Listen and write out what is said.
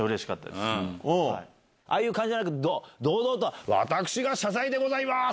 ああいう感じじゃなく堂々と私が謝罪でございます！